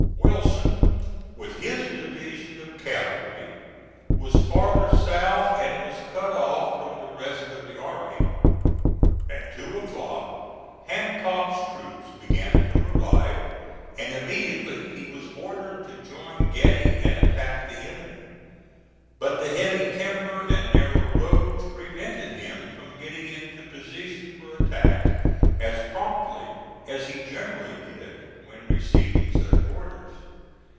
Wilson, with his division of cavalry, was farther south, and was cut off from the rest of the army. At two o'clock Hancock's troops began to arrive, and immediately he was ordered to join Getty and attack the enemy. But the heavy timber and narrow roads prevented him from getting into position for attack as promptly as he generally did when receiving such orders.